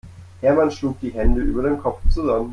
Hermann schlug die Hände über dem Kopf zusammen.